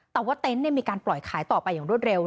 แต่ว่าเต็นต์มีการปล่อยขายต่อไปอย่างรวดเร็ว